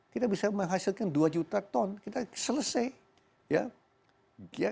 kita bisa menghasilkan dua juta ton kita selesai ya